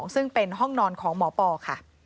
ซึ่งเป็นห้องนอนของหมอปอค่ะ